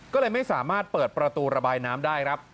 ก็เลยไม่สามารถเปิดประตูระบายน้ำได้ครับ